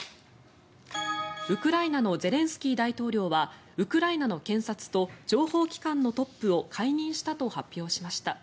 ウクライナのゼレンスキー大統領はウクライナの検察と情報機関のトップを解任したと発表しました。